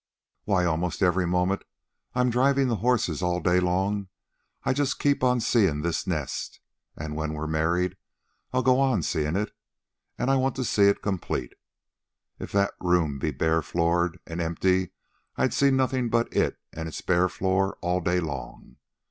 Why, almost every moment I'm drivin' the horses, all day long, I just keep on seein' this nest. And when we're married, I'll go on seein' it. And I want to see it complete. If that room'd be bare floored an' empty, I'd see nothin' but it and its bare floor all day long.